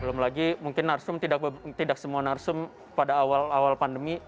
belum lagi mungkin narsum tidak semua narsum pada awal awal pandemi